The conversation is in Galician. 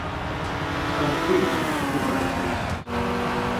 Estamos pedindo que se cumpran as leis.